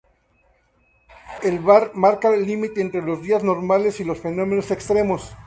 El VaR marca el límite entre los días normales y los fenómenos extremos.